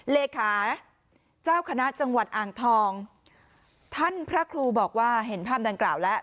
เลขาเจ้าคณะจังหวัดอ่างทองท่านพระครูบอกว่าเห็นภาพดังกล่าวแล้ว